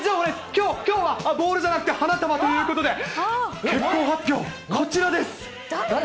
きょうはボールじゃなくて、花束ということで、結婚発表、誰？